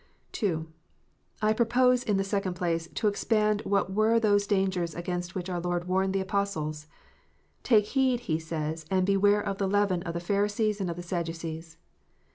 II. I propose, in the second place, to explain what were those dangers against which our Lord warned the Apostles. "Take heed," He says, "and beware of the leaven of the Pharisees and of the Sadducees."